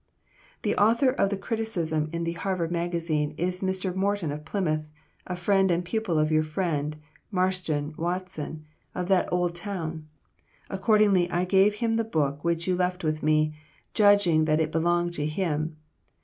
"The author of the criticism in the 'Harvard Magazine' is Mr. Morton of Plymouth, a friend and pupil of your friend, Marston Watson, of that old town. Accordingly I gave him the book which you left with me, judging that it belonged to him.